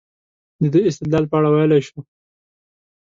د دې استدلال په اړه ویلای شو.